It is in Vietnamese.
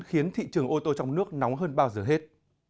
khiến thị trường ô tô trong nước nóng hơn bao giờ hết